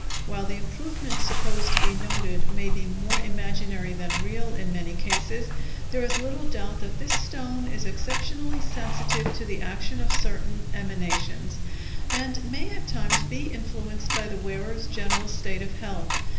While the improvement supposed to be noted may be more imaginary than real in many cases, there is little doubt that this stone is exceptionally sensitive to the action of certain emanations, and may, at times, be influenced by the wearer's general state of health.